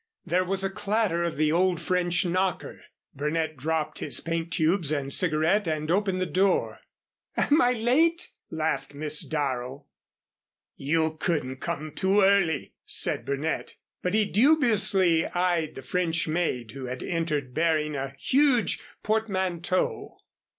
There was a clatter of the old French knocker. Burnett dropped his paint tubes and cigarette and opened the door. "Am I late?" laughed Miss Darrow. "You couldn't come too early," said Burnett. But he dubiously eyed the French maid who had entered bearing a huge portmanteau.